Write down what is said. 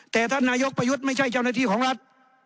แต่ท่านนายกประยุทธ์ไม่ใช่เจ้าหน้าที่ของรัฐ